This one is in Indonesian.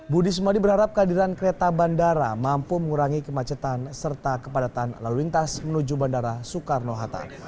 budi sumadi berharap kehadiran kereta bandara mampu mengurangi kemacetan serta kepadatan lalu lintas menuju bandara soekarno hatta